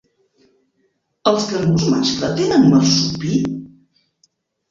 Els cangurs mascle tenen marsupi?